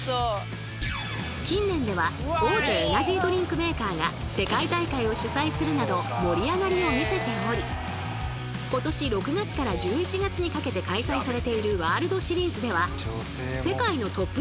近年では大手エナジードリンクメーカーが世界大会を主催するなど盛り上がりをみせており今年６月から１１月にかけて開催されているワールドシリーズでは世界のトップ